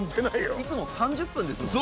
いつも３０分ですもんね。